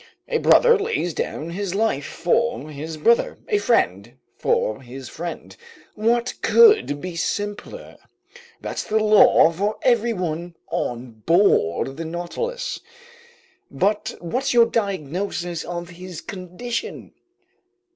A brother lays down his life for his brother, a friend for his friend, what could be simpler? That's the law for everyone on board the Nautilus. But what's your diagnosis of his condition?"